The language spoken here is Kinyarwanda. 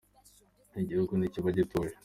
Igihugu ntikiba gituje